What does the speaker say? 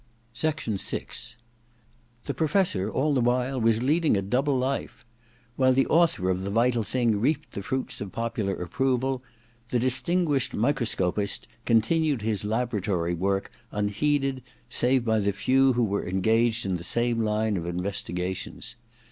VI The Professor, all the while, was leading a double life. While the author of « The Vital Thing' reaped the fruits of popular approval, the aistinguished microscopist continued his laboratory work unheeded save by the few who were engaged in the same line of investigations.